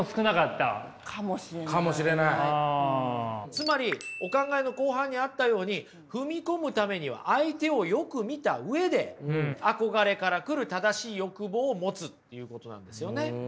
つまりお考えの後半にあったように踏み込むためには相手をよく見た上で憧れから来る正しい欲望を持つっていうことなんですよね。